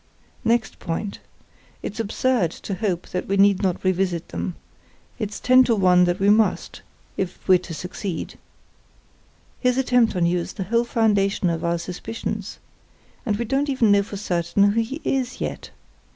Next point; it's absurd to hope that we need not revisit them—it's ten to one that we must, if we're to succeed. His attempt on you is the whole foundation of our suspicions. And we don't even know for certain who he is yet.